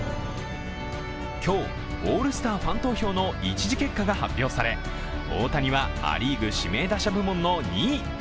今日、オールスターファン投票の１次結果が発表され大谷はア・リーグ氏名打者部門の２位。